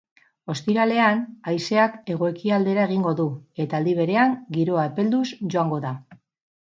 Ostiralean, haizeak hego-ekialdera egingo du eta aldi berean giroa epelduz joango da.